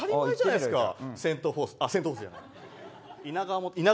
セントフォースじゃない。